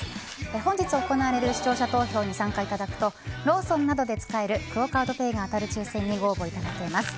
本日行われる視聴者投票にご参加いただくとローソンなどで使えるクオ・カードペイが当たる抽選にご応募いただけます。